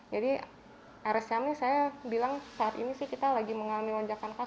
jadi rscm ini saya bilang saat ini kita lagi mengalami wajahkan